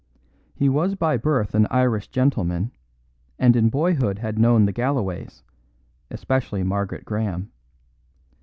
He was by birth an Irish gentleman, and in boyhood had known the Galloways especially Margaret Graham.